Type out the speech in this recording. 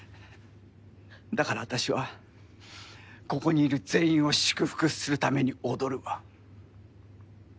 だからあたしはここにいる全員を祝福するために踊るわ。